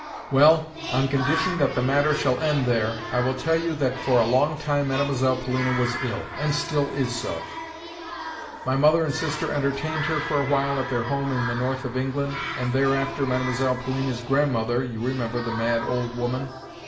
"Well, on condition that the matter shall end there, I will tell you that for a long time Mlle. Polina was ill, and still is so. My mother and sister entertained her for a while at their home in the north of England, and thereafter Mlle. Polina's grandmother (you remember the mad old woman?)